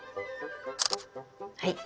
はい。